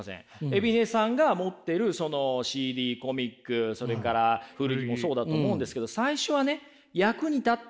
海老根さんが持ってるそのＣＤコミックそれから古着もそうだと思うんですけど最初はね